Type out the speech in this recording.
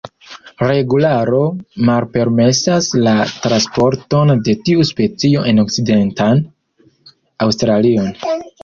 Regularo malpermesas la transporton de tiu specio en Okcidentan Aŭstralion.